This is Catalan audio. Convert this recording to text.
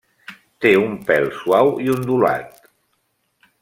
Té un pèl suau i ondulat.